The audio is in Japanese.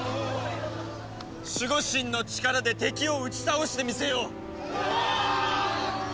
守護神の力で敵を打ち倒してみせよう！